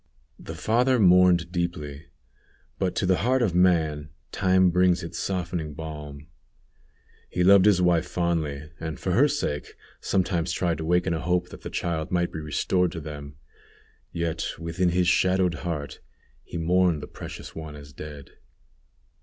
The father mourned deeply, but to the heart of man time brings its softening balm. He loved his wife fondly, and, for her sake, sometimes tried to waken a hope that the child might be restored to them. Yet within his shadowed heart he mourned the precious one as dead.